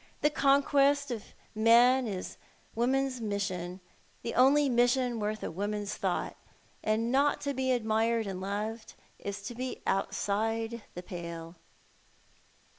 The conquest of man is woman's mission — the only mission worth a woman's th' lUght ; and not to bo admired and loved is to bo outside the pale.